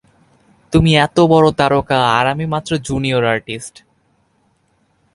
তুমি এত বড় তারকা, আর আমি মাত্র জুনিয়র আর্টিস্ট।